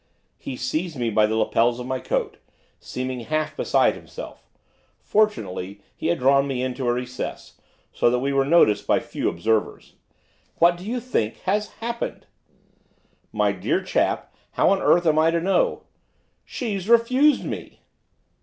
He seized me by the lapels of my coat, seeming half beside himself, fortunately he had drawn me into a recess, so that we were noticed by few observers. 'What do you think has happened?' 'My dear chap, how on earth am I to know?' 'She's refused me!